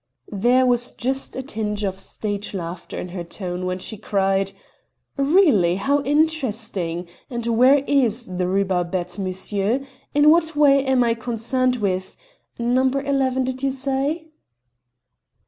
There was just a tinge of stage laughter in her tone when she cried: "Really, how interesting! And where is the Rue Barbette, monsieur? In what way am I concerned with No. 11, did you say?"